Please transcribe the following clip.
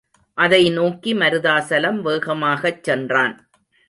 அதை நோக்கி மருதாசலம் வேகமாகச் சென்றான்.